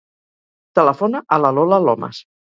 Telefona a la Lola Lomas.